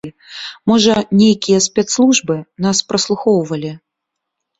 Можа, нейкія спецслужбы нас праслухоўвалі.